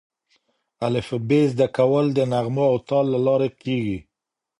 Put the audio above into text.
الفبې زده کول د نغمو او تال له لارې کېږي.